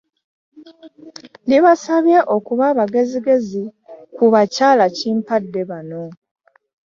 Libasabye okuba abagezifezi kuu ba kyalakimpadde bano.